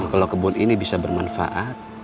kalau kebun ini bisa bermanfaat